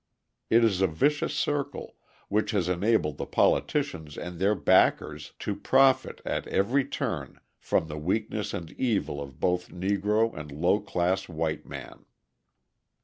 It is a vicious circle, which has enabled the politicians and their backers to profit at every turn from the weakness and evil of both Negro and low class white man.